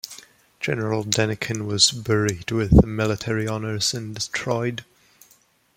General Denikin was buried with military honours in Detroit.